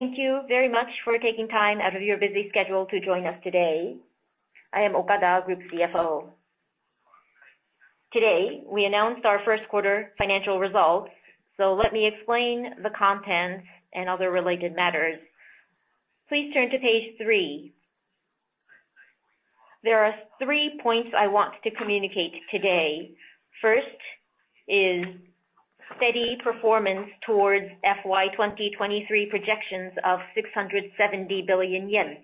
Thank you very much for taking time out of your busy schedule to join us today. I am Okada, Group CFO. Today, we announced our first quarter financial results, so let me explain the contents and other related matters. Please turn to page three. There are three points I want to communicate today. First is steady performance towards FY2023 projections of 670 billion yen.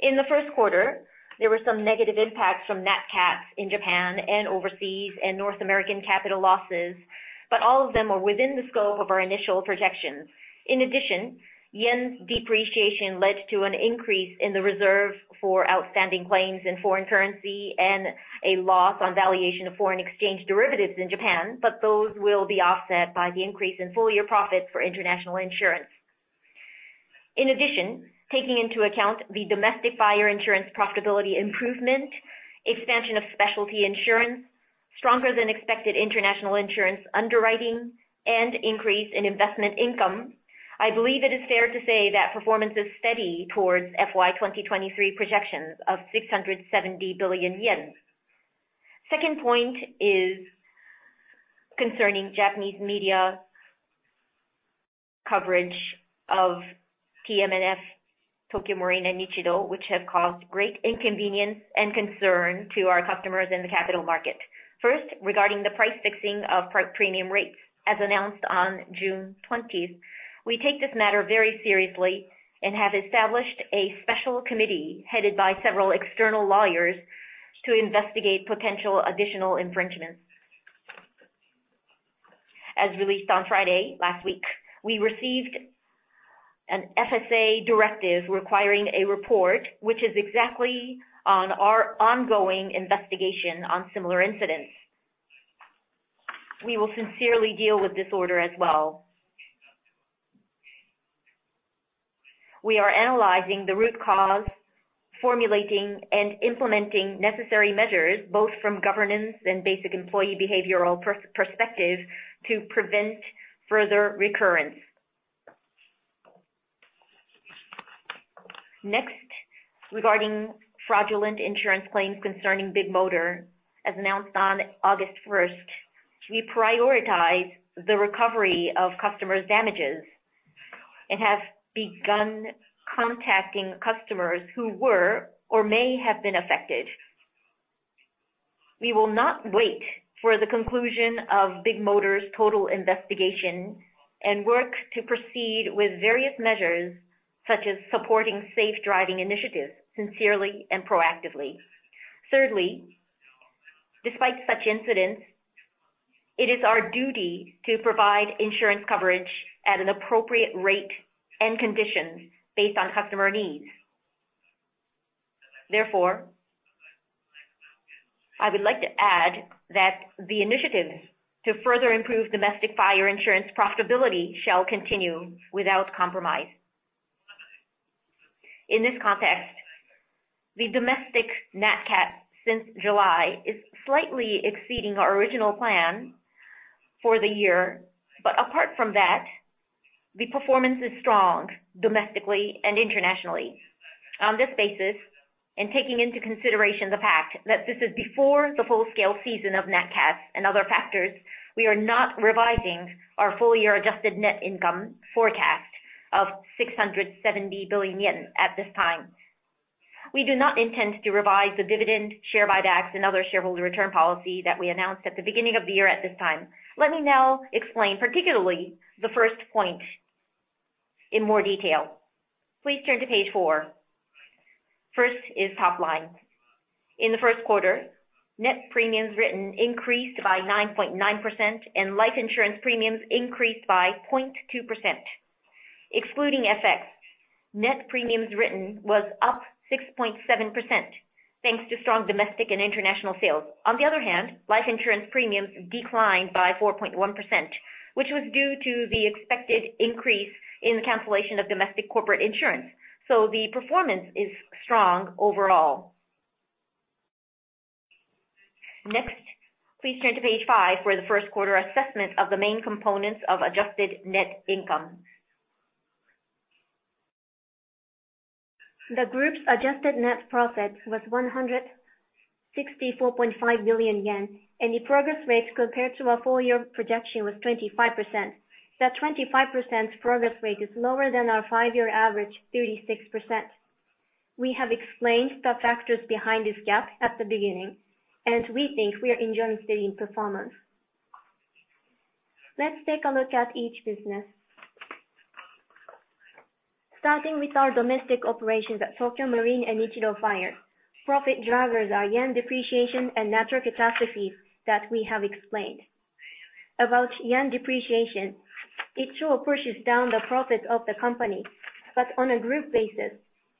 In the first quarter, there were some negative impacts from nat cats in Japan and overseas, and North American capital losses, but all of them are within the scope of our initial projections. In addition, yen's depreciation led to an increase in the reserve for outstanding claims in foreign currency and a loss on valuation of foreign exchange derivatives in Japan, but those will be offset by the increase in full-year profits for international insurance. In addition, taking into account the domestic fire insurance profitability improvement, expansion of specialty insurance, stronger than expected international insurance underwriting, and increase in investment income, I believe it is fair to say that performance is steady towards FY2023 projections of 670 billion yen. Second point is concerning Japanese media coverage of TMNF, Tokio Marine, and Nichido, which have caused great inconvenience and concern to our customers in the capital market. First, regarding the price fixing of premium rates, as announced on June 20th, we take this matter very seriously and have established a special committee, headed by several external lawyers, to investigate potential additional infringements. As released on Friday, last week, we received an FSA directive requiring a report, which is exactly on our ongoing investigation on similar incidents. We will sincerely deal with this order as well. We are analyzing the root cause, formulating and implementing necessary measures, both from governance and basic employee behavioral perspective, to prevent further recurrence. Next, regarding fraudulent insurance claims concerning BIGMOTOR, as announced on August first, we prioritize the recovery of customers' damages and have begun contacting customers who were or may have been affected. We will not wait for the conclusion of BIGMOTOR's total investigation and work to proceed with various measures, such as supporting safe driving initiatives, sincerely and proactively. Thirdly, despite such incidents, it is our duty to provide insurance coverage at an appropriate rate and conditions based on customer needs. Therefore, I would like to add that the initiatives to further improve domestic fire insurance profitability shall continue without compromise. In this context, the domestic nat cat since July is slightly exceeding our original plan for the year, but apart from that, the performance is strong domestically and internationally. On this basis, and taking into consideration the fact that this is before the full-scale season of nat cats and other factors, we are not revising our full year adjusted net income forecast of 670 billion yen at this time. We do not intend to revise the dividend share buybacks and other shareholder return policy that we announced at the beginning of the year at this time. Let me now explain, particularly the first point in more detail. Please turn to page four. First is top line. In the first quarter, net premiums written increased by 9.9%, and life insurance premiums increased by 0.2%. Excluding FX, net premiums written was up 6.7%, thanks to strong domestic and international sales. On the other hand, life insurance premiums declined by 4.1%, which was due to the expected increase in the cancellation of domestic corporate insurance, so the performance is strong overall. Next, please turn to page five for the first quarter assessment of the main components of adjusted net income. The group's adjusted net profit was 164.5 billion yen. The progress rate compared to our full year projection was 25%. That 25% progress rate is lower than our five-year average, 36%. We have explained the factors behind this gap at the beginning. We think we are enjoying steady performance. Let's take a look at each business. Starting with our domestic operations at Tokio Marine & Nichido Fire. Profit drivers are yen depreciation and natural catastrophes that we have explained. About yen depreciation, it sure pushes down the profit of the company, but on a group basis,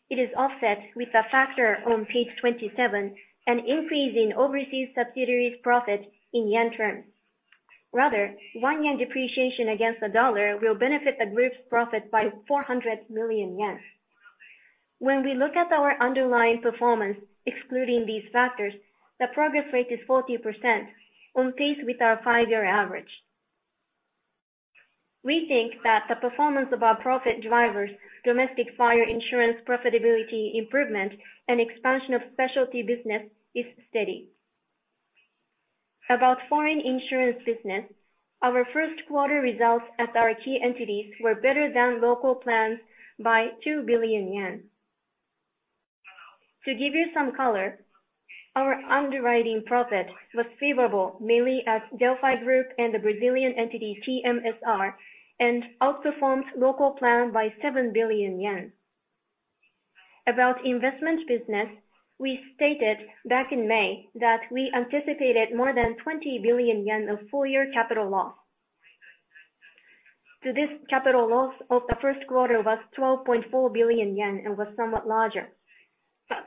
it is offset with a factor on page 27, an increase in overseas subsidiaries profit in yen terms. Rather, JPY one depreciation against the dollar will benefit the group's profit by 400 million yen. When we look at our underlying performance, excluding these factors, the progress rate is 40%, on pace with our five-year average. We think that the performance of our profit drivers, domestic fire insurance, profitability improvement, and expansion of specialty business, is steady. Foreign insurance business, our first quarter results at our key entities were better than local plans by two billion yen. To give you some color, our underwriting profit was favorable, mainly at Delphi Group and the Brazilian entity, TMSR, and outperformed local plan by seven billion yen. Investment business, we stated back in May that we anticipated more than 20 billion yen of full-year capital loss. This capital loss of the first quarter was 12.4 billion yen and was somewhat larger.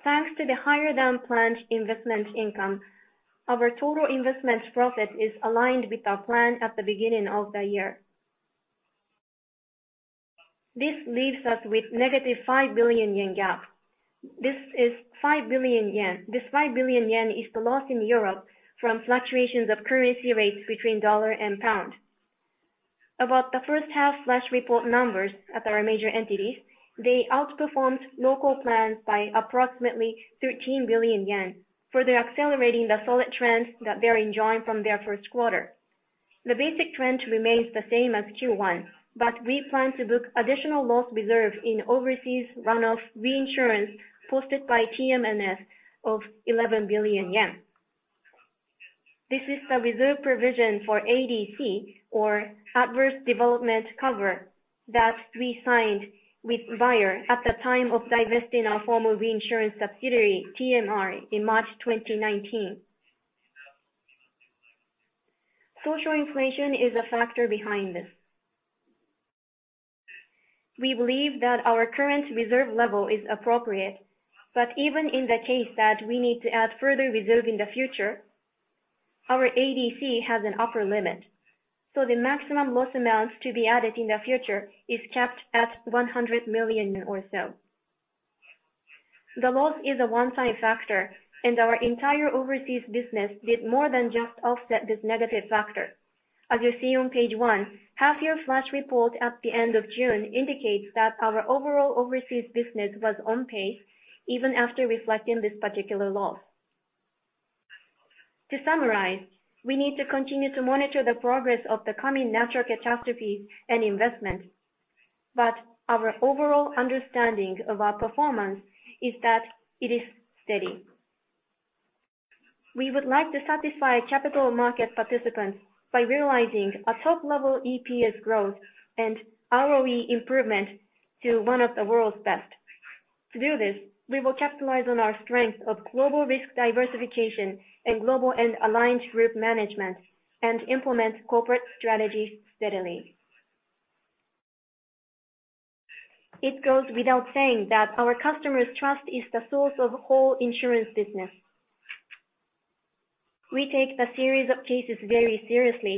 Thanks to the higher-than-planned investment income, our total investment profit is aligned with our plan at the beginning of the year. This leaves us with negative five billion yen gap. This is five billion yen. This five billion yen is the loss in Europe from fluctuations of currency rates between dollar and pound. About the first half flash report numbers at our major entities, they outperformed local plans by approximately 13 billion yen, further accelerating the solid trends that they're enjoying from their first quarter. The basic trend remains the same as Q1, but we plan to book additional loss reserve in overseas run-off reinsurance, posted by TMNS of 11 billion yen. This is the reserve provision for ADC, or adverse development cover, that we signed with buyer at the time of divesting our former reinsurance subsidiary, TMR, in March 2019. Social inflation is a factor behind this. We believe that our current reserve level is appropriate, but even in the case that we need to add further reserve in the future, our ADC has an upper limit, so the maximum loss amounts to be added in the future is capped at 100 million or so. The loss is a one-time factor, and our entire overseas business did more than just offset this negative factor. As you see on page one, half-year flash report at the end of June indicates that our overall overseas business was on pace, even after reflecting this particular loss. To summarize, we need to continue to monitor the progress of the coming natural catastrophes and investments, but our overall understanding of our performance is that it is steady. We would like to satisfy capital market participants by realizing a top-level EPS growth and ROE improvement to one of the world's best. To do this, we will capitalize on our strength of global risk diversification and global end aligned group management and implement corporate strategies steadily. It goes without saying that our customers' trust is the source of whole insurance business. We take the series of cases very seriously.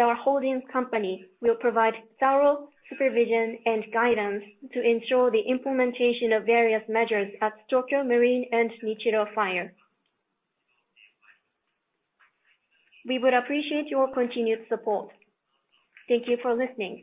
Our holdings company will provide thorough supervision and guidance to ensure the implementation of various measures at Tokio Marine and Nichido Fire. We would appreciate your continued support. Thank you for listening.